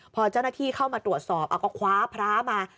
พอเจ้าหน้าที่เข้ามาตรวจสอบเอาก็คว้าพระมา